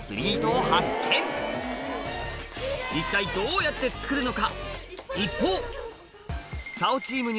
一体どうやって作るのか？